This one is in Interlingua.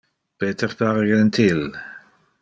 Peter pare gentil.